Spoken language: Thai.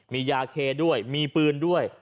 มียาเคด้วยมีปืนด้วย